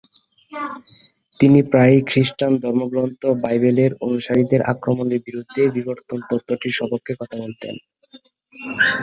তিনি প্রায়ই খ্রিস্টান ধর্মগ্রন্থ বাইবেলের অনুসারীদের আক্রমণের বিরুদ্ধে বিবর্তন তত্ত্বটির স্বপক্ষে কথা বলতেন।